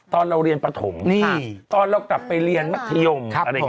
ตอนเราเรียนปฐมตอนเรากลับไปเรียนมัธยม